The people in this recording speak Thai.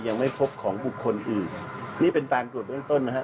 ยังไม่พบของบุคคลอื่นนี่เป็นการตรวจเบื้องต้นนะฮะ